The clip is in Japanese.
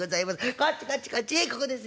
こっちこっちこっちここですよ。